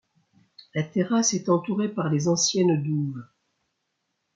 La terrasse est entourée par les anciennes douves.